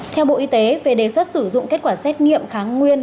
theo bộ y tế về đề xuất sử dụng kết quả xét nghiệm kháng nguyên